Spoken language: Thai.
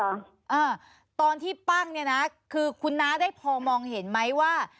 อ่าตอนที่ปั้งเนี่ยนะคือคุณน้าได้พอมองเห็นไหมว่า